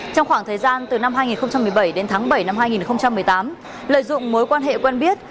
trong khoảng thời gian từ năm hai nghìn một mươi bảy đến tháng bảy năm hai nghìn một mươi tám lợi dụng mối quan hệ quen biết